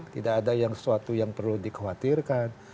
tidak ada yang sesuatu yang perlu dikhawatirkan